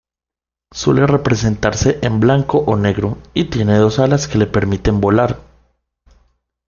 Suele representarse en blanco o negro y tiene dos alas que le permiten volar.